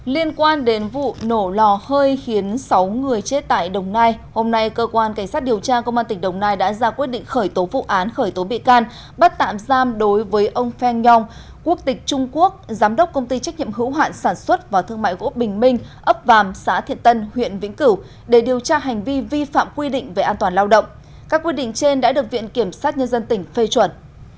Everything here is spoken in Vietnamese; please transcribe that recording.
liên quan đến vụ nổ lò hơi khiến sáu người chết tại đồng nai hôm nay cơ quan cảnh sát điều tra công an tỉnh đồng nai đã ra quyết định khởi tố vụ án khởi tố bị can bắt tạm giam đối với ông feng yong quốc tịch trung quốc giám đốc công ty trách nhiệm hữu hoạn sản xuất và thương mại gỗ bình minh ấp vàm xã thiện tân huyện vĩnh cửu để điều tra hành vi vi phạm quy định về an toàn lao động các quy định trên đã được viện kiểm sát nhân dân tỉnh phê chuẩn